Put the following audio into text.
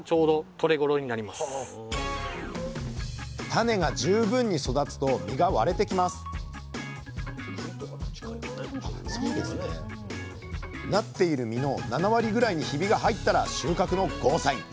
種が十分に育つと実が割れてきますなっている実の７割ぐらいにひびが入ったら収穫のゴーサイン！